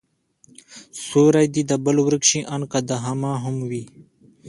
سيورى دي د بل ورک شي، آن که د هما هم وي